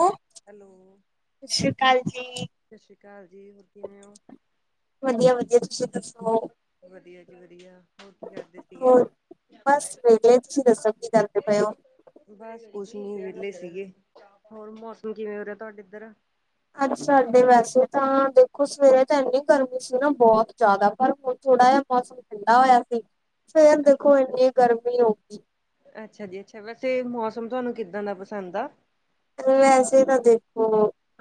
Ham hello. ਸਤ ਸ਼੍ਰੀ ਅਕਾਲ ਜੀ। ਸਤਿ ਸ਼੍ਰੀ ਅਕਾਲ ਜੀ ਹੋਰ ਕਿਵੇਂ ਹੋ? ਵਧੀਆ ਵਧੀਆ ਤੁਸੀਂ ਦਸੋ। ਵਧੀਆ ਜੀ ਵਧੀਆ ਹੋਰ ਕੀ ਕਰਦੇ ਸੀਗੇ। ਹੋਰ ਬਸ ਵਧੀਆ ਤੁਸੀਂ ਦੱਸੋ ਕੀ ਕਰਦੇ ਪਏ ਹੋ। ਬਸ ਕੁਛ ਨੀ ਵਿਹਲੇ ਸੀਗੇ ਹੋਰ ਮੌਸਮ ਕਿਵੇਂ ਹੋ ਰਿਹਾ ਤੁਹਾਡੇ ਇੱਧਰ। ਅੱਜ ਸਾਡੇ ਵੈਸੇ ਤਾਂ ਦੇਖੋ ਸਵੇਰੇ ਤਾਂ ਇੰਨੀ ਗਰਮੀ ਸੀ ਨਾ ਬਹੁਤ ਜ਼ਿਆਦਾ ਪਰ ਹੁਣ ਥੋੜ੍ਹਾ ਜਿਹਾ ਮੌਸਮ ਠੰਡਾ ਹੋਇਆ ਸੀ ਫੇਰ ਦੇਖੋ ਇੰਨੀ ਗਰਮੀ ਹੋ ਗਈ। ਅੱਛਾ ਜੀ ਅੱਛਾ ਵੈਸੇ ਮੌਸਮ ਤੁਹਾਨੂੰ ਕਿੱਦਾਂ ਦਾ ਪਸੰਦ ਆ। ਪਰ ਵੈਸੇ ਤਾਂ ਦੇਖੋ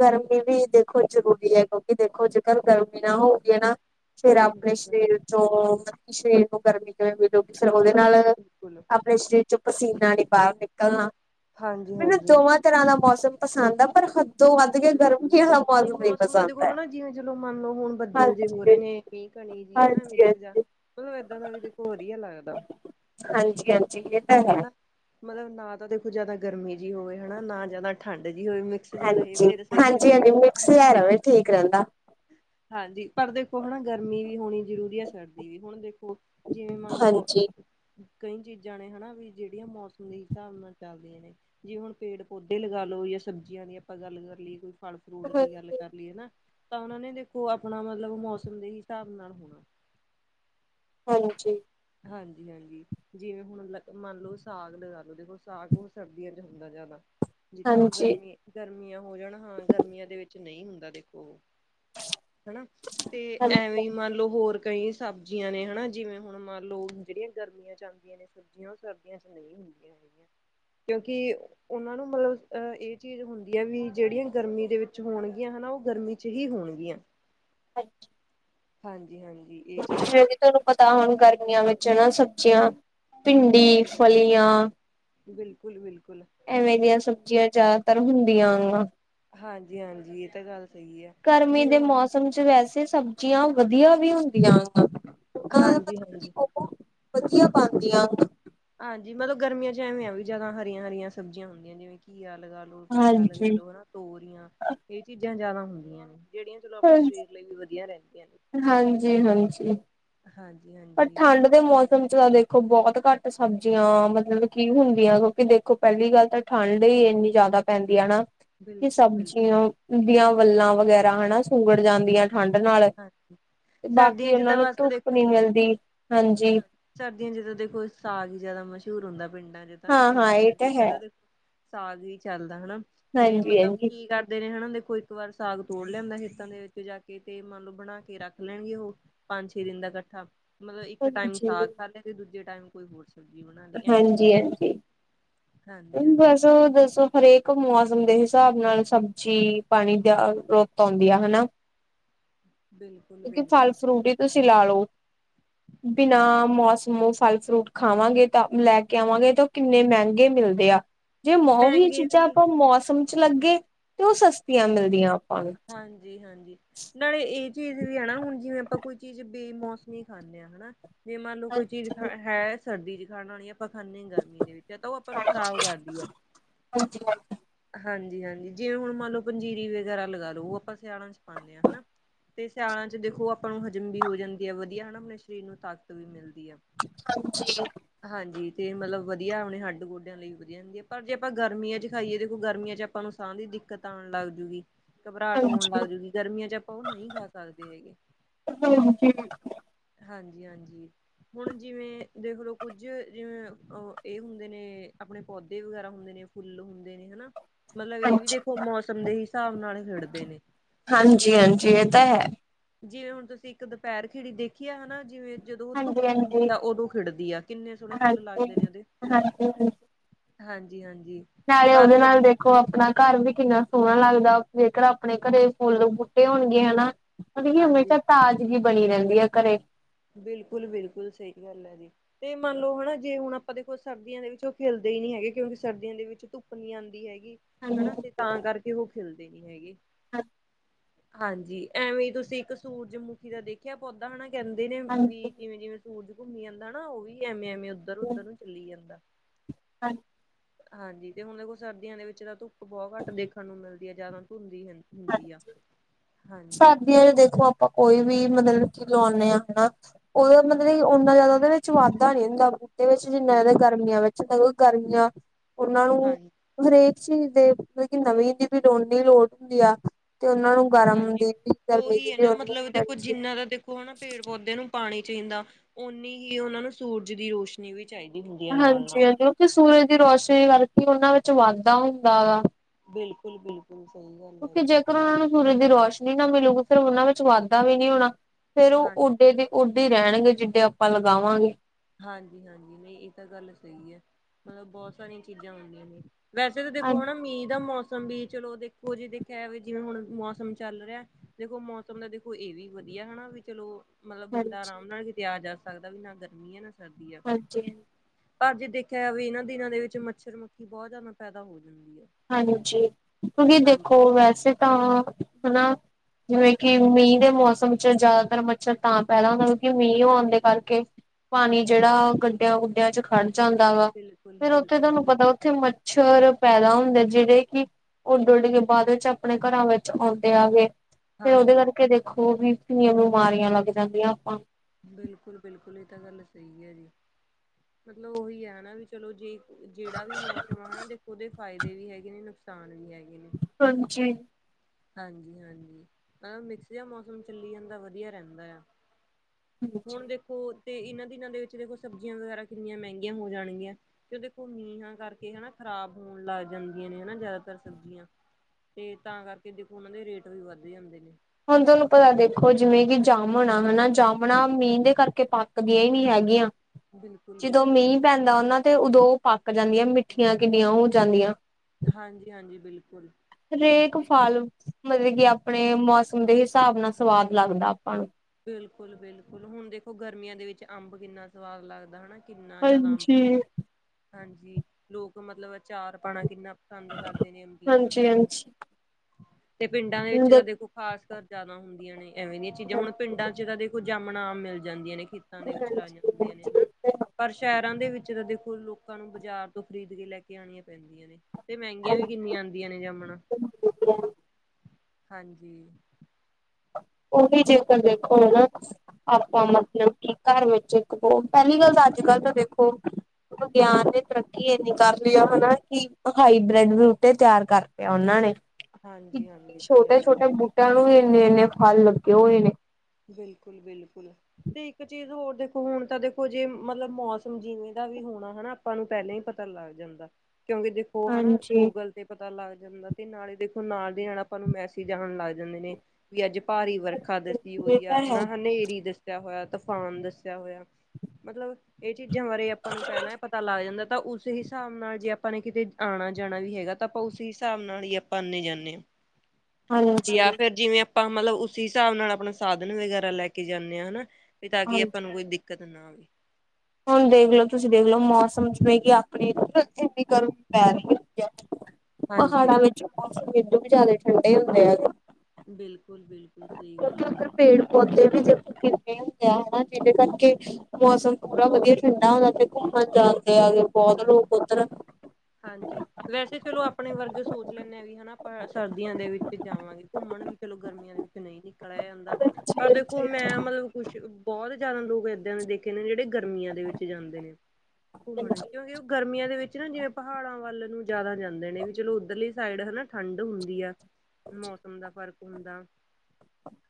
ਗਰਮੀ ਵੀ ਦੇਖੋ ਜ਼ਰੂਰੀ ਹੈ ਕਿਉਂਕਿ ਦੇਖੋ ਅੱਜ ਕੱਲ੍ਹ ਗਰਮੀ ਨਾ ਹੋਗੀ ਹੈ ਨਾ ਫੇਰ ਆਪਣੇ ਸਰੀਰ ਚੋਂ ਸਰੀਰ ਨੂੰ ਗਰਮੀ ਜਿਵੇਂ ਵੀ ਡੋ ਫਿਰ ਉਹਦੇ ਨਾਲ ਬਿਲਕੁਲ। ਆਪਣੇ ਸਰੀਰ ਚੋ ਪਸੀਨਾ ਨੀ ਬਾਹਰ ਨਿਕਲਣਾ ਹਾਂਜੀ ਮੈਨੂੰ ਹਾਂਜੀ। ਦੋਵਾਂ ਤਰ੍ਹਾਂ ਦਾ ਮੌਸਮ ਪਸੰਦ ਆ ਪਰ ਵੱਧ ਕੇ ਬਿਲਕੁਲ ਗਰਮੀ ਵਾਲਾ ਨਹੀਂ ਮੌਸਮ ਦਾ ਪਸੰਦ ਹੈ। ਦੇਖੋ ਹਨਾ ਜਿਵੇਂ ਚਲੋ ਮੰਨ ਲਓ ਹੁਣ ਬੱਦਲ ਜਿਹੇ ਹੋ ਹਾਂਜੀ, ਰਹੇ ਨੇ ਮੀਹ ਕਣੀ ਜੀ ਹਨਾ ਹਾਂਜੀ, ਮਚ ਜਾ ਹਾਂਜੀ, ਮਤਲਬ ਏਦਾਂ ਦਾ ਵੀ ਦੇਖੋ ਵਧੀਆ ਲੱਗਦਾ। ਹਾਂਜੀ ਹਾਂਜੀ ਤਾਂ ਹੈ ਹਨਾ ਮਤਲਬ ਨਾ ਤਾਂ ਦੇਖੋ ਜਿਆਦਾ ਗਰਮੀ ਜਿਹੀ ਹੋਵੇ ਹਨਾ ਨਾ ਜਿਆਦਾ ਠੰਡ ਜਿ ਹੋਵੇ। ਮਿਕਸ ਜਿਹਾ ਰਹੇ ਹਾਂਜੀ ਫੇਰ ਸਹੀ ਹਾਂਜੀ ਚੱਲੀ ਹਾਂਜੀ ਜਾਂਦਾ। ਮਿਕਸ ਜਿਹਾ ਰਵੇ ਠੀਕ ਰਹਿੰਦਾ। ਹਾਂਜੀ ਪਰ ਦੇਖੋ ਹਾ ਗਰਮੀ ਵੀ ਹੋਣੀ ਜ਼ਰੂਰੀ ਹੈ ਸਰਦੀ ਵੀ ਹੁਣ ਦੇਖੋ। ਜਿਵੇਂ ਮੰਨ ਲਓ ਹਾਂਜੀ। ਕਈ ਚੀਜ਼ਾਂ ਨੇ ਹਨਾ ਵੀ ਜਿਹੜੀਆਂ ਮੌਸਮ ਦੇ ਹਿਸਾਬ ਨਾਲ ਚੱਲਦੀਆਂ ਨੇ ਜੇ ਹੁਣ ਪੇੜ ਪੌਦੇ ਲਗਾ ਲਓ ਜਾਂ ਸਬਜ਼ੀਆਂ ਦੀ ਆਪਾਂ ਗੱਲ ਕਰ ਲਈਏ ਕੋਈ ਫਲ ਫਰੂਟ ਦੀ ਗੱਲ ਹਾਂਜੀ, ਕਰ ਲਈਏ ਨਾ ਤਾਂ ਉਹਨਾਂ ਨੇ ਦੇਖੋ ਆਪਣਾ ਮਤਲਬ ਮੌਸਮ ਦੇ ਹਿਸਾਬ ਨਾਲ ਹੋਣਾ। ਹਾਂਜੀ ਹਾਂਜੀ ਹਾਂਜੀ ਜਿਵੇਂ ਹੁਣ ਲ ਮੰਨ ਲਓ ਸਾਗ ਲਗਾ ਲਓ ਦੇਖੋ ਸਾਗ ਉਹ ਸਰਦੀਆਂ ਚ ਹੁੰਦਾ ਜ਼ਿਆਦਾ ਜਿੱਥੋਂ ਹਾਂਜੀ। ਗਰਮੀ ਗਰਮੀਆਂ ਹੋ ਜਾਣ ਹਾਂ ਗਰਮੀਆਂ ਦੇ ਵਿੱਚ ਨਹੀਂ ਹੁੰਦਾ ਦੇਖੋ ਉਹ ਹਨਾ ਤੇ ਐਵੇਂ ਈ ਮੰਨ ਲਓ ਹੋਰ ਕਈ ਸਬਜ਼ੀਆਂ ਨੇ ਹਨਾ ਜਿਵੇਂ ਹੁਣ ਮੰਨ ਲਓ ਜਿਹੜੀਆਂ ਗਰਮੀਆਂ ਚ ਆਉਂਦੀਆਂ ਨੇ ਸਬਜ਼ੀਆਂ ਉਹ ਸਰਦੀਆਂ ਚ ਨਹੀਂ ਹੁੰਦੀਆਂ ਹੈਗੀਆਂ ਕਿਉਂਕਿ। ਉਹਨਾਂ ਨੂੰ ਮਤਲਬ ਇਹ ਚੀਜ਼ ਹੁੰਦੀ ਹੈ ਵੀ ਜਿਹੜੀਆਂ ਗਰਮੀ ਦੇ ਵਿੱਚ ਹੋਣਗੀਆਂ ਹਨਾ ਉਹ ਗਰਮੀ ਚ ਹੀ ਹੋਣਗੀਆਂ। ਹਾਂਜੀ ਹਾਂਜੀ ਹਾਂਜੀ ਇਹ ਚੀਜ਼ ਹੈ। ਕਿ ਤੁਹਾਨੂੰ ਪਤਾ ਹੁਣ ਗਰਮੀਆਂ ਵਿੱਚ ਨਾ ਸਬਜ਼ੀਆਂ ਭਿੰਡੀ ਫਲੀਆਂ ਬਿਲਕੁਲ ਬਿਲਕੁਲ। ਐਵੇਂ ਦੀਆਂ ਸਬਜ਼ੀਆਂ ਜ਼ਿਆਦਾਤਰ ਹੁੰਦੀਆਂ ਵਾ। ਹਾਂਜੀ ਹਾਂਜੀ ਇਹ ਤਾਂ ਗੱਲ ਸਹੀ ਆ ਜਿਵੇ ਉਹ ਸਮਝ ਵੈਸੇ ਸਬਜ਼ੀਆਂ ਵਧੀਆ ਵੀ ਹੁੰਦੀਆਂ ਵਾ ਉਹਨਾ ਹਾਂਜੀ ਹਾਂਜੀ ਦਾ ਉਹ ਵਧੀਆ ਬਣਦੀਆਂ ਵਾ ਹਾਂਜੀ ਮਤਲਬ ਗਰਮੀਆਂ ਚ ਐਵੇਂ ਆ ਵੀ ਜਿਆਦਾ ਹਰੀਆਂ ਹਰੀਆਂ ਸਬਜ਼ੀਆਂ ਹੁੰਦੀਆਂ ਜਿਵੇਂ ਘੀਆ ਲਗਾ ਲ ਪੇਠਾ ਲਗਾ ਹਾਂਜੀ, ਲੋ ਹਨਾ ਤੋਰੀਆਂ ਇਹ ਚੀਜ਼ਾਂ ਜ਼ਿਆਦਾ ਹੁੰਦੀਆਂ ਨੇ ਜਿਹੜੀਆਂ ਚਲੋ ਆਪਣੇ ਸਰੀਰ ਲਈ ਵੀ ਵਧੀਆ ਰਹਿੰਦੀਆਂ ਨੇ। ਹਾਂਜੀ ਹਾਂਜੀ ਹਾਂਜੀ ਹਾਂਜੀ ਪਰ ਠੰਡ। ਦੇ ਮੌਸਮ ਚ ਤਾਂ ਦੇਖੋ ਬਹੁਤ ਘੱਟ ਸਬਜ਼ੀਆਂ, ਮਤਲਬ ਕੀ ਹੁੰਦੀਆਂ, ਕਿਉਂਕਿ ਦੇਖੋ ਪਹਿਲੀ ਗੱਲ ਤਾਂ ਠੰਡ ਹੀ ਇੰਨੀ ਜ਼ਿਆਦਾ ਪੈਂਦੀ ਐ ਹਨਾ। ਕਿ ਬਿਲਕੁਲ ਬਿਲਕੁਲ ਸਬਜ਼ੀਆਂ ਦੀਆਂ ਵੱਲਾਂ ਵਗੈਰਾ, ਹਨਾ ਸੁੰਗੜ ਜਾਂਦੀਆਂ ਨੇ। ਠੰਢ ਨਾਲ, ਹਾਂਜੀ ਬਾਕੀ ਸਰਦੀਆਂ ਚ ਉਹਨਾਂ ਤਾਂ ਨੂੰ ਬਸ ਧੁੱਪ ਨੀ ਦੇਖੋ ਮਿਲ ਸਰਦੀਆਂ ਚ ਤਾਂ ਦੇਖੋ, ਸਾਗ ਹੀ ਜਿਆਦਾ ਮਸ਼ਹੂਰ ਹੁੰਦਾ ਪਿੰਡਾਂ ਚ। ਮਤਲਬ ਹਾਂ-ਹਾਂ ਇਹ ਸਾਡੇ ਤਾਂ ਹੈ ਇੱਧਰ ਤੇ ਸਾਗ ਹੀ ਚੱਲਦਾ ਹਨਾ। ਤੇ ਮਤਲਬ ਹਾਂਜੀ-ਹਾਂਜੀ। ਕੀ ਕਰਦੇ ਨੇ ਹਨਾ, ਦੇਖੋ ਇੱਕ ਵਾਰ ਸਾਗ ਤੋੜ ਲਿਆਂਦਾ, ਖੇਤਾਂ ਦੇ ਵਿੱਚ ਜਾ ਕੇ ਤੇ ਮੰਨਲੋ ਬਣਾ ਕੇ ਰੱਖ ਲੈਣਗੇ ਉਹ, ਪੰਜ ਛੇ ਦਿਨ ਦਾ ਕੱਠਾ। ਮਤਲਬ ਇੱਕ ਟਾਈਮ ਸਾਗ ਹਾਂਜੀ, ਖਾ ਲਿਆ, ਤੇ ਦੂਜੇ ਟਾਈਮ ਕੋਈ ਹੋਰ ਸਬਜ਼ੀ ਬਣਾ ਲਈ, ਐਵੇਂ ਚੱਲੀ ਹਾਂਜੀ-ਹਾਂਜੀ। [inaudible] ਹਾਂਜੀ ਹਾਂਜੀ ਹਰੇਕ ਮੌਸਮ ਦੇ ਹਿਸਾਬ ਨਾਲ, ਸਬਜ਼ੀ- ਪਾਣੀ ਦਾ ਰੁੱਤ ਆਉਂਦੀ ਐ ਹਨਾ। ਬਿਲਕੁਲ ਕਿਉਂਕਿ ਫਲ ਬਿਲਕੁਲ ਫਰੂਟ ਹੀ ਤੁਸੀਂ ਲਾ ਲੋ। ਹਾਂਜੀ ਬਿਨਾਂ ਮੌਸਮੋ ਫਲ- ਫਰੂਟ ਖਾਵਾਂਗੇ, ਤਾਂ ਲੈ ਕੇ ਆਵਾਂਗੇ, ਤੇ ਉਹ ਕਿੰਨੇ ਮਹਿੰਗੇ ਮਿਲਦੇ ਆ। ਜੇ ਮੌਹ ਦੀਆਂ ਮਹਿੰਗੇ ਚੀਜ਼ਾਂ ਵੀ ਆਪਾਂ ਮੌਸਮ ਚ ਲੱਗੇ, ਤੇ ਉਹ ਸਸਤੀਆਂ ਹਾਂਜੀ ਮਿਲਦੀਆਂ ਆਪਾਂ ਨੂੰ। ਹਾਂਜੀ- ਹਾਂਜੀ। ਨਾਲੇ ਇਹ ਚੀਜ਼ ਵੀ ਹੈ ਨਾ ਹੁਣ, ਜਿਵੇਂ ਆਪਾਂ ਕੋਈ ਚੀਜ਼ ਬੇਮੌਸਮੀ ਖਾਂਦੇ ਆਂ ਹਨਾ। ਜੇ ਮੰਨ ਲੋ ਕੋਈ ਚੀਜ਼ ਖਾ ਹਾਂਜੀ ਹੈ ਸਰਦੀ ਚ ਖਾਣ ਆਲੀ, ਆਪਾਂ ਖਾਂਨੇ ਆਂ ਗਰਮੀ ਦੇ ਵਿੱਚ। ਜਾਂ ਤਾਂ ਉਹ ਆਪਾਂ ਨੂੰ ਖ਼ਰਾਬ ਕਰਦੀ ਆ, ਹਾਂਜੀ ਹਾਂਜੀ- ਹਾਂਜੀ, ਜਿਵੇਂ ਹੁਣ ਮੰਨ ਲੋ ਪੰਜੀਰੀ ਵਗੈਰਾ ਲਗਾ ਲੋ, ਉਹ ਆਪਾਂ ਸਿਆਲਾਂ ਚ ਖਾਨੇ ਆਂ, ਹਨਾ। ਤੇ ਸਿਆਲਾਂ ਚ ਉਹ ਦੇਖੋ, ਆਪਾਂ ਨੂੰ ਹਜ਼ਮ ਵੀ ਹੋ ਜਾਂਦੀ ਆ ਵਧੀਆ ਹਨਾ, ਆਪਣੇ ਸਰੀਰ ਨੂੰ ਤਾਕਤ ਵੀ ਮਿਲਦੀ ਐ। ਹਾਂਜੀ। ਹਾਂਜੀ, ਤੇ ਮਤਲਬ ਵਧੀਆ ਆਪਣੇ ਹੱਡ ਗੋਡਿਆਂ ਲਈ ਵਧੀਆ ਹੁੰਦੀ ਐ, ਪਰ ਜੇ ਆਪਾਂ ਗਰਮੀਆਂ ਚ ਖਾਈਏ, ਦੇਖੋ ਗਰਮੀਆਂ ਚ ਆਪਾਂ ਤੁਹਾਨੂੰ ਸਾਹ ਦੀ ਦਿੱਕਤ ਆਣ ਲੱਗਜੂ ਗੀ। ਘਬਰਾਹਟ ਹੋਣ ਹਾਂਜੀ ਲੱਗਜੂ ਗੀ, ਗਰਮੀਆਂ ਚ ਆਪਾਂ ਉਹ ਨਹੀਂ ਖਾ ਸਕਦੇ ਹੈਗੇ। [unintelligible] ਹਾਂਜੀ- ਹਾਂਜੀ। ਹੁਣ ਜਿਵੇਂ ਦੇਖਲੋ ਕੁੱਝ ਜਿਵੇਂ ਅ ਇਹ ਹੁੰਦੇ ਨੇ, ਆਪਣੇ ਪੌਦੇ ਵਗੈਰਾ ਹੁੰਦੇ ਨੇ ਫੁੱਲ ਹੁੰਦੇ ਨੇ ਹਨਾ, ਮਤਲਬ ਇਹ ਵੀ ਹਾਂਜੀ ਦੇਖੋ, ਮੌਸਮ ਦੇ ਹਿਸਾਬ ਨਾਲ ਖਿੜਦੇ ਨੇ। ਹਾਂਜੀ- ਹਾਂਜੀ, ਇਹ ਤਾਂ ਹੈ। ਜਿਵੇਂ ਹੁਣ ਤੁਸੀਂ ਇੱਕ ਦੁਪਹਿਰ ਖਿੜੀ ਦੇਖੀ ਆ ਹਨਾ, ਜਿਵੇਂ ਜਦੋਂ ਉਹ ਹਾਂਜੀ ਧੁੱਪ ਹੁੰਦੀ ਹਾਂਜੀ ਆ, ਉਦੋਂ ਖਿੜਦੀ ਆ, ਕਿੰਨੇ ਸੋਹਣੇ ਫੁੱਲ ਲੱਗਦੇ ਹਾਂਜੀ ਨੇ ਉਹਦੇ। ਹਾਂਜੀ ਹਾਂਜੀ- ਹਾਂਜੀ। ਨਾਲੇ ਪਰ ਉਹਦੇ ਨਾਲ ਦੇਖ ਦੇਖੋ ਆਪਣਾ ਘਰ ਵੀ ਕਿੰਨਾ ਸੋਹਣਾ ਲੱਗਦਾ, ਜੇਕਰ ਆਪਣੇ ਘਰੇ ਫੁੱਲ-ਬੂਟੇ ਹੋਣਗੇ ਹਨਾ। ਮਤਲਬ ਕਿ ਹਮੇਸ਼ਾ ਹਾਂਜੀ ਤਾਜ਼ਗੀ ਬਣੀ ਰਹਿੰਦੀ ਆ ਘਰੇ। ਬਿਲਕੁਲ-ਬਿਲਕੁਲ, ਸਹੀ ਗੱਲ ਐ ਜੀ। ਤੇ ਮੰਨ ਲਓ ਹਨਾ ਜੇ ਹੁਣ ਆਪਾਂ ਦੇਖੋ, ਸਰਦੀਆਂ ਦੇ ਵਿੱਚ ਉਹ ਖਿਲਦੇ ਹੀ ਨਹੀਂ ਹੈਗੇ, ਕਿਉਂਕਿ ਸਰਦੀਆਂ ਦੇ ਵਿੱਚ ਧੁੱਪ ਧੁੱਪ ਨੀ ਆਂਦੀ ਹੈਗੀ ਹਨਾ, ਤੇ ਤਾਂ ਕਰਕੇ ਉਹ ਖਿਲਦੇ ਨੀ ਹੈਗੇ। [unintelligible] ਹਾਂਜੀ, ਐਂਵੀਂ ਤੁਸੀਂ ਇੱਕ ਸੂਰਜਮੁਖੀ ਦਾ ਦੇਖਿਆ ਪੌਦਾ, ਕਹਿੰਦੇ ਕਹਿੰਦੇ ਨੇ ਵੀ ਜਿਵੇਂ- ਜਿਵੇਂ ਸੂਰਜ ਘੁੰਮੀ ਜਾਂਦਾ ਨਾ, ਉਹ ਵੀ ਐਵੇਂ- ਐਵੇਂ ਉੱਧਰ- ਉੱਧਰ ਨੂੰ ਚੱਲੀ ਜਾਂਦਾ। [unintelligible] ਹਾਂਜੀ, ਤੇ ਹੁਣ ਦੇਖੋ ਸਰਦੀਆਂ ਦੇ ਵਿੱਚ ਤਾਂ ਧੁੱਪ ਬਹੁਤ ਘੱਟ ਦੇਖਣ ਨੂੰ ਮਿਲਦੀ ਐ, ਜਾਦਾ ਧੁੰਦ ਈ ਹੁੰਦੀ ਹੁੰਦੀ ਆ, ਹਾਂਜੀ। ਫਿਰ ਦੇਖੋ ਆਪਾਂ ਕੋਈ ਵੀ ਮਤਲਬ ਕਿ ਲੌਨੇ ਆਂ ਆਪਾਂ, ਉਹਦਾ ਹਾਂਜੀ ਮਤਲਬ ਉਨਾ ਜ਼ਿਆਦਾ ਉਹਦੇ ਵਿੱਚ ਵਾਧਾ ਨੀ ਹੁੰਦਾ ਬੂਟੇ ਵਿੱਚ, ਜਿੰਨਾ ਜਿਆਦਾ ਬਿਲਕੁਲ ਗਰਮੀਆਂ ਵਿੱਚ ਹੁੰਦਾ, ਕਿਉਂਕਿ ਗਰਮੀਆਂ ਉਹਨਾਂ ਨੂੰ ਹਾਂਜੀ ਹਰੇਕ ਚੀਜ਼ ਦੇ, ਮਤਲਬ ਕਿ ਨਮੀ ਦੀ ਵੀ ਲੋੜ ਹੁੰਦੀ ਆ। ਤੇ ਉਹਨਾਂ ਨੂੰ ਗਰਮੀ ਹਾਂਜੀ। ਦੀ ਵੀ ਗਰਮੀ ਦੀ ਵੀ ਉਹਨਾਂ ਨੂੰ ਲੋੜ ਪੈਣੀ ਚਾਹੀਦੀ। ਹੁਣ ਪੇੜ ਪੌਦਿਆਂ ਨੂੰ ਪਾਣੀ ਚਾਹੀਦਾ, ਓਨੀ ਹੀ ਉਹਨਾਂ ਨੂੰ ਸੂਰਜ ਦੀ ਰੋਸ਼ਨੀ ਨਿਵੇ ਚਾਹੀਦੇ ਹੁੰਦੇ ਆ, ਹਾਂਜੀ ਨਾਲ-ਨਾਲ ਹਾਂਜੀ ਕਿਉਂਕਿ ਸੂਰਜ ਦੀ ਰੋਸ਼ਨੀ ਕਰਕੇ, ਉਹਨਾਂ ਵਿੱਚ ਵਾਧਾ ਹੁੰਦਾ ਵਾ। ਬਿਲਕੁਲ-ਬਿਲਕੁਲ, ਸਹੀ ਗੱਲ ਹੈ ਕਿਉਂਕਿ ਜੀ। ਜੇਕਰ ਉਹਨਾਂ ਨੂੰ ਸੂਰਜ ਦੀ ਰੋਸ਼ਨੀ ਨਾ ਮਿਲੇਗੀ, ਫਿਰ ਉਹਨਾਂ ਵਿੱਚ ਵਾਧਾ ਵੀ ਨਹੀਂ ਹੋਣਾ, ਫੇਰ ਉਹ ਹਾਂ ਓਡੇ ਦੀ ਉਡੇ ਹੀ ਰਹਿਣਗੇ, ਜਿੱਡੇ ਆਪਾਂ ਲਗਾਵਾਂਗੇ। ਹਾਂਜੀ ਹਾਂਜੀ, ਨਹੀਂ ਇਹ ਤਾਂ ਗੱਲ ਸਹੀ ਹੈ, ਮਤਲਬ ਬਹੁਤ ਸਾਰੀਆਂ ਚੀਜ਼ਾਂ ਹੁੰਦੀਆਂ ਨੇ ਵੈਸੇ ਵੀ ਹਾਂ ਦੇਖੋ, ਹੁਣ ਮੀਂਹ ਦਾ ਮੌਸਮ ਮੌਸਮ ਵੀ ਚਲੋ ਦੇਖੋ ਜੀ ਦੇਖਿਆ, ਜਿਵੇਂ-ਹੁਣ ਮੌਸਮ ਚੱਲ ਰਿਹਾ, ਦੇਖੋ ਮੌਸਮ ਦਾ ਦੇੋਖ ਇਹ ਵੀ ਵਧੀਆ ਹੈਨਾ, ਵੀ ਚਲੋ ਮਤਲਬ ਬੰਦਾ ਹਾਂਜੀ ਆਰਾਮ ਨਾਲ ਕਿਤੇ ਆ ਜਾ ਸਕਦਾ, ਵੀ ਨਾ ਗਰਮੀ ਆ, ਨਾ ਸਰਦੀ ਆ। ਹਾਂਜੀ ਪਰ ਜੇ ਦੇਖਿਆ ਜਾਵੇ, ਤੇ ਇਹਨਾਂ ਦਿਨਾਂ ਦੇ ਵਿੱਚ ਮੱਛਰੀ-ਮੱਖੀ ਬਹੁਤ ਜਿਆਦਾ ਪੈਦਾ ਹੋ ਜਾਂਦੀ ਐ। ਹਾਂਜੀ, ਨੀ ਦੇਖੋ ਵੈਸੇ ਤਾਂ, ਹੈਨਾ। ਜਿਵੇਂ-ਕਿ ਮੀਂਹ ਦੇ ਮੌਸਮ ਵਿੱਚ ਜ਼ਿਆਦਾਤਰ ਮੱਛਰ ਤਾਂ ਪੈਦਾ ਹੁੰਦਾ, ਕਿਉਕਿ ਮੀਂਹ ਆਉਣ ਦੇ ਕਰਕੇ ਪਾਣੀ ਜਿਹੜਾ, ਔ ਗੱਡਿਆਂ -ਗੁਡਿਆਂ ਚ ਖੜ ਜਾਂਦਾ ਵਾ, ਫੇਰ ਉੱਥੇ ਤੁਹਾਨੂੰ ਬਿਲਕੁਲ-ਬਿਲਕੁਲ-ਬਿਲਕੁਲ ਪਤਾ, ਉੱਥੇ ਮੱਛਰ ਪੈਦਾ ਹੁੰਦੇ, ਜਿਵੇੰ ਕਿ ਉਡ-ਉੱਡ ਕੇ ਬਾਅਦ ਵਿੱਚ ਆਪਣੇ ਘਰਾਂ ਵਿੱਚ ਆਉਂਦੇ ਆ ਗਏ। ਫੇਰ, ਉਹਦੇ ਹਾਂਜੀ ਕਰਕੇ ਦੇਖੋ ਕੀ ਕਿੰਨੀਆਂ ਬਿਮਾਰਿਆਂ ਲੱਗ ਜਾਂਦਿਆਂ। ਆਪਾਂ ਨੂੰ ਬਿਲਕੁਲ-ਬਿਲਕੁਲ, ਇਹ ਤਾਂ ਗੱਲ ਸਹੀ ਹੈ ਜੀ, ਮਤਲਬ ਉਹੀ ਹੈ ਨਾ, ਵੀ ਚਲੋ ਜੇ ਜਿਹੜਾ ਵੀ ਮੌਸਮ ਹੈਨਾ ਦੇਖੋ ਔਦੇ, ਫਾਇਦੇ ਵੀ ਹੈਗੇ ਨੇ ਨੁਕਸਾਨ ਵੀ ਹੈਗੇ ਨੇ ਹਾਂਜੀ ਹਾਂਜੀ ਹਾਂਜੀ, ਆ ਮਿਕਸ ਜਿਹਾ ਮੌਸਮ ਚੱਲੀ ਜਾਂਦਾ, ਵਧੀਆ ਰਹਿੰਦਾ ਆ। ਹਾਂਜੀ ਹੁਣ ਦੇਖੋ, ਤੇ ਇਹਨਾਂ ਦਿਨਾਂ ਦੇ ਵਿੱਚ ਦੇਖੋ ਸਬਜਿਆਂ ਵਗੈਰਾ ਕਿੰਨਿਆਂ ਮਹਿੰਗਿਆਂ ਹੋ ਜਾਣਗਿਆਂ। ਤੇ ਦੇਖੋ ਮੀਹਾਂ ਕਰਕੇ, ਹੈਨਾ ਖ਼ਰਾਬ ਹੋਣ ਲੱਗ ਜਾਂਦਿਆਂ ਨੇ, ਹੈਨਾ ਜ਼ਿਆਦਾਤਰ ਸਬਜਿਆਂ। ਤੇ ਤਾਂ ਕਰਕੇ ਦੇਖੋ ਉਹਨਾਂ ਦੇ ਰੇਟ ਵੀ ਵੱਧ ਜਾਂਦੇ ਨੇ। ਹੁਣ ਤੁਹਾਨੂੰ ਪਤਾ ਦੇਖੋ ਜਿਵੇਂ ਕਿ ਜਾਮਣਾ, ਹੈਨਾ ਜਾਮਣਾ ਮੀਂਹ ਦੇ ਕਰਕੇ ਪੱਕਦਿਆਂ ਈ ਨੀ ਹੈਗੀਆਂ। ਜਦੋਂ ਬਿਲਕੁਲ-ਬਿਲਕੁਲ ਮੀਂਹ ਪੈਂਦਾ ਉਹਨਾ ਤੇ, ਉਦੋਂ ਪੱਕ ਜਾਂਦਿਆਂ ਮਿੱਠੀਆਂ ਕਿੰਨੀਆਂ ਹੋ ਜਾਂਦਿਆਂ। ਹਾਂਜੀ-ਹਾਂਜੀ ਬਿਲਕੁਲ। ਹਰੇਕ ਫਲ, ਮਤਲਬ ਕਿ ਆਪਣੇ ਮੌਸਮ ਦੇ ਹਿਸਾਬ ਨਾਲ ਸਵਾਦ ਲੱਗਦਾ ਆਪਾਂ ਨੂੰ। ਬਿਲਕੁਲ-ਬਿਲਕੁਲ, ਹੁਣ ਦੇਖੋ ਗਰਮੀਆਂ ਦੇ ਵਿੱਚ ਅੰਬ ਕਿੰਨਾ ਸਵਾਦ ਲੱਗਦਾ ਹੈਨਾ। ਕਿੰਨਾ ਜਿਆਦਾ ਅੰਮਬ ਹਾਂਜੀ। ਹੁੰਦਾ, ਹਾਂਜੀ ਲੋਕ ਮਤਲਬ ਅਚਾਰ ਪਾਂਣਾ ਕਿੰਨਾ ਪਸੰਦ ਕਰਦੇ ਨੇ ਅੰਬੀਆਂ ਨੂੰ ਹਾਂਜੀ ਦੇਖੋ, ਹਾਂਜੀ ਤੇ ਪਿੰਡਾਂ ਦੇ ਵਿੱਚ ਤਾਂ ਦੇਖੋ ਖਾਸ ਕਰ ਜ਼ਿਆਦਾ ਹੁੰਦੀਆਂ ਨੇ ਐਵੇਂ ਦੀਆਂ ਚੀਜ਼ਾਂ, ਹੁਣ ਹਾਂਜੀ। ਪਿੰਡਾਂ 'ਚ ਤਾਂ ਦੇਖੋ ਜਾਮਣਾ ਆਮ ਮਿਲ ਜਾਂਦੀਆਂ ਨੇ ਖੇ ਹਤਾਂ ਦੇ ਵਿੱਚ ਲਾਈਆਂ ਹੁੰਦੀਆਂ ਨੇ ਹਨਾ। ਪਰ ਸ਼ਹਿਰਾਂ ਦੇ ਵਿੱਚ ਤਾਂ ਦੇਖੋ, ਲੋਕਾਂ ਨੂੰ ਬਾਜ਼ਾਰ ਤੋਂ ਖਰੀਦ ਕੇ ਲੈ ਕੇ ਆਣੀਆਂ ਪੈਂਦੀਆਂ ਨੇ। ਤੇ ਮਹਿੰਗੀਆਂ ਵੀ ਕਿੰਨੀਆਂ ਹੁੰਦੀਆਂ ਨੇ ਜਾਮਣਾ, ਹਾਂਜੀ। ਉਹੀ ਜੇਕਰ ਦੇਖੋ ਨਾ, ਆਪਾਂ ਮਤਲਬ ਕੀ ਘਰ ਵਿੱਚ ਇੱਕ ਪੋ, ਪਹਿਲੀ ਗੱਲ ਤਾਂ ਅੱਜ-ਕੱਲ ਤਾਂ ਦੇਖੋ ਵਿਗਿਆਨ ਨੇ ਤਰੱਕੀ ਇੰਨੀ ਕਰ ਲਿਆ ਹੈਨਾ, ਕਿ ਹਾਈਬ੍ਰਿਡ ਬੂਟੇ ਤਿਆਰ ਕਰ ਪਿਆ ਉਹਨਾਂ ਨੇ। ਹਾਂਜੀ-ਹਾਂਜੀ ਸਹੀ ਗੱਲ ਐ। ਛੋਟੇ-ਛੋਟੇ ਬੂਟਿਆਂ ਨੂੰ ਵੀ ਏਨੇ-ਏਨੇ ਫਲ ਲੱਗੇ ਹੋਏ ਨੇ। ਬਿਲਕੁਲ- ਬਿਲਕੁਲ, ਤੇ ਇੱਕ ਚੀਜ਼ ਹੋਰ ਦੇਖ ਹੁਣ ਤਾਂ ਦੇਖੋ ਜੇ, ਮਤਲਬ ਮੌਸਮ ਜਿਵੇਂ ਦਾ ਵੀ ਹੋਣਾ ਹਨਾ। ਆਪਾਂ ਨੂੰ ਪਹਿਲਾਂ ਹੀ ਪਤਾ ਲੱਗ ਜਾਂਦਾ ਐ। ਕਿਉਂਕਿ ਦੇਖੋ ਹੈਣਾ, ਹਾਂਜੀ। ਗੂਗਲ ਤੇ ਪਤਾ ਲੱਗ ਜਾਂਦਾ, ਤੇ ਨਾਲੇ ਦੇਖੋ ਨਾਲ ਦੀ ਨਾਲ ਆਪਾਂ ਨੂੰ ਮੈਸੇਜ ਆਣ ਲੱਗ ਜਾਂਦੇ ਨੇ। ਵੀ ਅੱਜ ਭਾਰੀ ਵਰਖਾ ਦੱਸੀ ਇਹ ਹੋਈ ਆ, ਤਾਂ ਹੈ ਣਾ ਹਨੇਰੀ ਦੱ ਦੱਸਿਆ ਹੋਇਆ, ਤੂਫਾਨ ਦੱਸਿਆ ਹੋਇਆ, ਮਤਲਬ ਇਹ ਚੀਜ਼ਾਂ ਬਾਰੇ ਆਪਾਂ ਨੂੰ ਪਹਿਲਾਂ ਪਤਾ ਲੱਗ ਜਾਂਦਾ, ਤਾਂ ਉਸ ਹਿਸਾਬ ਨਾਲ ਜੇ ਆਪਾਂ ਨੇ ਕਿਤੇ ਆਂਣਾ ਜਾਣਾ ਵੀ ਹੈਗਾ, ਤਾਂ ਆਪਾਂ ਉਸ ਹਿਸਾਬ ਨਾਲ ਈ ਆਪ ਪਾਨੇ ਜਾਂਨੇ ਆਂ। [unintelligible] ਯਾ ਫਿਰ ਜਿਵੇਂ ਆਪਾਂ ਮਤਲਬ ਉਸ ਹਿਸਾਬ ਨਾਲ ਆਪਣਾ ਸਾਧਨ ਵਗੈਰਾ ਲੈ ਕੇ ਜਾਂਨੇ ਆ ਹਨਾ। ਵੀ ਤਾਂ ਕਿ ਆਪਾਂ ਹਾਂਜੀ। ਨੂੰ ਕੋਈ ਦਿੱਕਤ ਨਾ ਆਵੇ। ਹੁਣ ਦੇਖਲੋ ਤੁਸੀਂ ਦੇਖਲੋ ਮੌਸਮ ਜਿਵੇਂ ਕਿ ਆਪਣੀ ਇੰਨੀ ਗਰਮ ਪੈ ਰੀ ਆ। ਪਹਾੜਾਂ ਹਾਂਜੀ ਵਿੱਚ ਮੌਸਮ ਇਦੂ ਵੀ ਜਿਆਦਾ ਠੰਡੇ ਹੁੰਦੇ ਆ। ਬਿਲਕੁਲ-ਬਿਲਕੁਲ। ਕਿਉਕਿ ਉੱਧਰ ਪੇੜ ਪੌਦੇ ਵੀ ਜ ਕੀ ਹੁੰਦੇ ਆ ਹਨਾ ਜਿਹਦੇ ਕਰਕੇ ਮੌਸਮ ਥੂੜਾ ਵਧੀਆ ਠੰਡਾ ਹੁੰਦਾ ਤੇ ਘੁੰਮਣ ਜਾਂਣਦੇ ਆਗੇ ਬਹੁਤ ਲੋਕ ਉੱਧਰ। ਹਾਂਜੀ‌। ਵੈਸੇ ਚਲੋ ਆਪਣੇ ਵਰਗੇ ਸੋਚ ਲੈਂਨੇ ਆ ਵੀ ਹਨਾ ਆਪਾਂ ਸਰਦੀਆਂ ਦੇ ਵਿੱਚ ਜਾਵਾਂਗੇ ਘੁੰਮਣ ਵੀ ਚਲੋ ਗਰਮੀਆਂ ਦੇ ਵਿੱਚ ਨਈ ਨਿਕਲਿਆ ਜਾ ਪਰ ਵੈਸੇ ਦੇਖੋ ਹਾਂਜੀ ਮੈਂ ਮਤਲਬ ਕੁਛ ਬਹੁਤ ਜਿਆਦਾ ਲੋਕ ਏਦਾਂ ਦੇ ਦੇਖ ਜਿਹੜੇ ਗਰਮੀਆਂ ਦੇ ਵਿੱਚ ਜਾਂਦੇ ਨੇ, ਘੁੰਮਣ। ਕਿਉਂਕਿ ਉਹ ਗਰਮੀਆਂ ਦੇ ਵਿੱਚ ਨਾ ਜਿਵੇਂ ਪਹਾੜਾਂ ਵੱਲ ਨੂੰ ਜ਼ਿਆਦਾ ਜਾਂਦੇ ਨੇ ਵੀ ਚਲੋ ਉੱਧਰਲੀ ਸਾਈਡ ਹਨਾ ਠੰਡ ਹੁੰਦੀ ਆ। ਮੌਸਮ ਦਾ ਫ਼ਰਕ ਹੁੰਦਾ।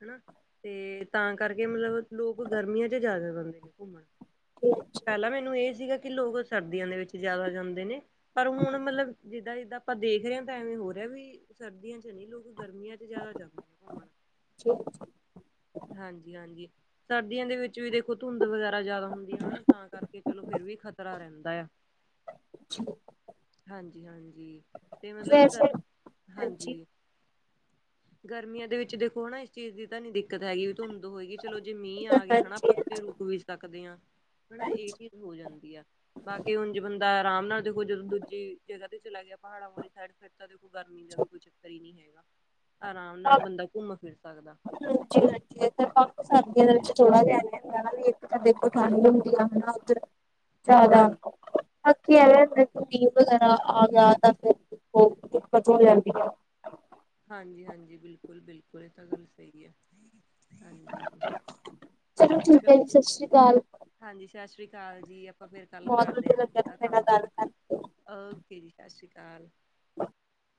ਹਨਾ ਤੇ ਤਾਂ ਕਰਕੇ ਮਤਲਬ ਲੋਕ ਗਰਮੀਆਂ 'ਚ ਜ਼ਿਆਦਾ ਜਾਂਦੇ ਨੇ ਘੁੰਮਣ। [inaudible] ਪਹਿਲਾਂ ਮੈਨੂੰ ਇਹ ਸੀਗਾ ਕਿ ਲੋਕ ਸਰਦੀਆਂ ਦੇ ਵਿੱਚ ਜਿਆਦਾ ਜਾਂਦੇ ਨੇ ਪਰ ਹੁਣ ਮਤਲਬ ਜਿੱਦਾਂ-ਜਿੱਦਾਂ ਆਪਾਂ ਦੇਖ ਰੇ ਆ ਤਾਂ ਐਵੇਂ ਹੋਰ ਰਿਆ ਵੀ ਸਰਦੀਆਂ 'ਚ ਨੀ ਲੋਕ ਗਰਮੀਆਂ 'ਚ ਜ਼ਿਆਦਾ ਜਾਂ ਘੁੰਮਣ, ਹਾਂਜੀ-ਹਾਂਜੀ ਸਰਦੀਆਂ ਦੇ ਵਿੱਚ ਵਿੱਚ ਵੀ ਦੇਖੋ ਧੁੰਦ ਵਗੈਰਾ ਜ਼ਿਆਦਾ ਹੁੰਦੀਆਂ ਆ ਹਨਾ ਤਾਂ ਕਰਕੇ ਚਲੋ ਫਿਰ ਵੀ ਖ਼ਤਰਾ ਰਹਿੰ ਹਾਂਜੀ-ਹਾਂਜੀ। ਤੇ ਮਤਲਬ ਸਰ, ਹਾਂਜੀ। ਗਰਮੀਆਂ ਦੇ ਵਿੱਚ ਦੇਖੋ ਹਨਾ ਇਸ ਚੀਜ਼ ਦੀ ਤਾਂ ਨੀ ਦਿੱਕਤ ਹੈਗੀ ਵੀ ਧੁੰਦ ਹੋਏਗੀ। ਚਲੋ ਜੇ ਮੀਂਹ ਆ ਗਿਆ ਹੈਾ ਹਾਂਜੀ ਹਾਂਜੀ ਆਪਾਂ ਕਿਤੇ ਰੁਕ ਵੀ ਸਕਦੇ ਹਾਂ ਹਨਾ ਇਹ ਚੀਜ਼ ਹੋ ਜਾਂਦੀ ਆ ਬਾਕੀ ਹੁਣ ਜੇ ਬੰਦਾ ਆਰਾਮ ਨਾਲ ਦੇਖੋ ਜਦੋਂ ਦੂਜੀ ਜਗ੍ਹਾ ਤੇ ਚਲਾ ਗਿਆ ਪਹਾੜਾਂ ਵਾਲੀ ਸਾਈਡ ਫਿਰ ਤਾਂ ਦੇਖੋ ਗਰਮੀ ਦਾ ਵੀ ਕੋਈ ਚੱਕਰ ਹੀ ਨਹੀਂੀ ਹੈਗਾ ਆਰਾਮ ਨਾਲ ਬੰਦਾ ਘੁੰਮ ਫਿਰ ਸਕਦਾ ਬਾਕੀ ਸਰਦੀਆਂ ਦੇ ਵਿੱਚ ਥੋੜਾ ਜਾਣਾ ਵੀ ਇੱਕ ਤਾਂ ਦੇਖੋ ਠੰਢ ਹੁੰਦੀ ਆ ਹਨਾ ਉੱਧਰ ਜ਼ਿਆਦਾ ਹਾਂਜੀ ਵਗੈਰਾ ਆ ਗਿਆ ਤਾਂ ਫਿਰ ਉਹ ਕਦੋ ਹੋ ਜਾਂਦੀ ਹੈ ਹਾਂਜੀ -ਹਾਂਜੀ ਬਿਲਕੁਲ- ਬਿਲਕੁਲ ਇਹ ਤਾਂ ਗੱਲ ਸਹੀ ਆ ਹਾਂਜੀ, ਚਲੋ ਠੀਕ 'ਚ, ਹੈ ਜੀ ਸਤਿ ਸ਼੍ਰੀ ਅਕਾਲ ਹਾਂਜੀ ਸਤਿ ਸ੍ਰੀ ਅਕਾਲ ਜੀ ਆਪਾਂ ਫਿਰ ਕੱਲ ਬਹੁਤ ਕਰਦੇ ਵਧੀਆ ਲੱਗਿਆ ਹ ਤੁਹਾਡੇ ਕੰਮ ਨਾਲ ਕੀ ਗੱਲ ਕਰਕੇ। ਓਕੇ ਜੀ ਸਤਿ ਸ਼੍ਰੀ ਅਕਾਲ